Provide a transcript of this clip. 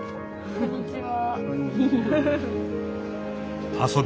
こんにちは。